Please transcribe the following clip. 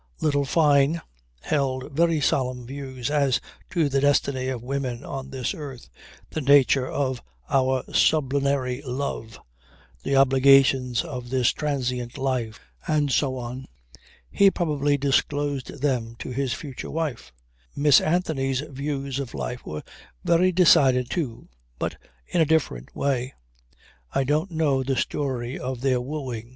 Little Fyne held very solemn views as to the destiny of women on this earth, the nature of our sublunary love, the obligations of this transient life and so on. He probably disclosed them to his future wife. Miss Anthony's views of life were very decided too but in a different way. I don't know the story of their wooing.